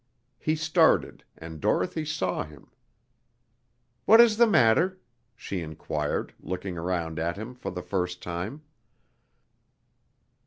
He started, and Dorothy saw him. "What is the matter?" she inquired, looking around at him for the first time.